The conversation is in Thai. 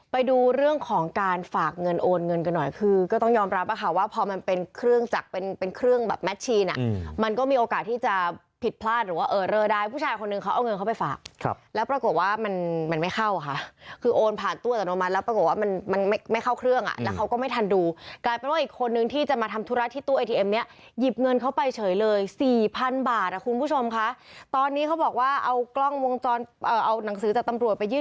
ไปดูเรื่องของการฝากเงินโอนเงินกันหน่อยคือก็ต้องยอมรับว่าค่ะว่าพอมันเป็นเครื่องจักรเป็นเป็นเครื่องแบบแมทชีนอ่ะมันก็มีโอกาสที่จะผิดพลาดหรือว่าเออเรอได้ผู้ชายคนหนึ่งเขาเอาเงินเข้าไปฝากครับแล้วปรากฏว่ามันมันไม่เข้าค่ะคือโอนผ่านตู้อัตโนมัติแล้วปรากฏว่ามันมันไม่เข้าเครื่องอ่ะแล